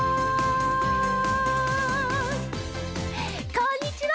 こんにちは！